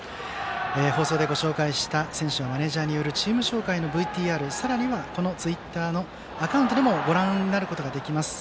放送でご紹介した選手やマネージャーによるチーム紹介のＶＴＲさらにはツイッターのアカウントでもご覧になることができます。